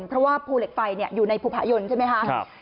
เพราะว่าภูเหล็กไฟอยู่ในภูผายนใช่ไหมคะ